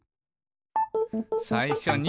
「さいしょに」